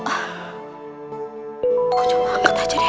aku coba angkat aja deh